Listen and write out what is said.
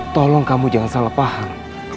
tolong kamu jangan salah paham